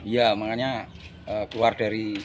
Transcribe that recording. ya makanya keluar dari